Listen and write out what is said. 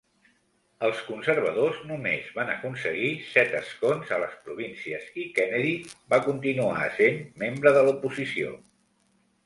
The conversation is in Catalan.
Els conservadors només van aconseguir set escons a les províncies i Kennedy va continuar essent membre de l'oposició.